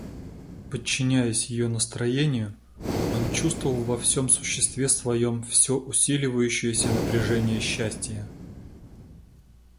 Подчиняясь ее настроению, он чувствовал во всем существе своем всё усиливающееся напряжение счастия.